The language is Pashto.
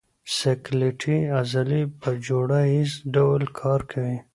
سکلیټي عضلې په جوړه ییز ډول کار کوي.